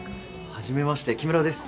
初めまして木村です。